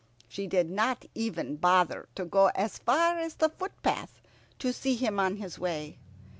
She did not even bother to go as far as the footpath to see him on his way.